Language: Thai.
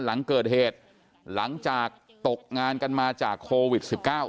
หลังเกิดเหตุหลังจากตกงานกันมาจากโควิด๑๙